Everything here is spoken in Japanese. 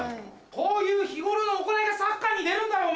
こういう日頃の行いがサッカーに出るんだろ。